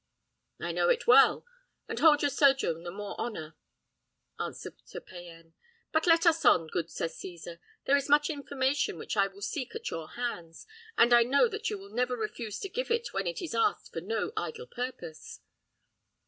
"I know it well, and hold your sojourn the more honour," answered Sir Payan; "but let us on, good Sir Cesar; there is much information which I will seek at your hands, and I know that you never refuse to give it when it is asked for no idle purpose."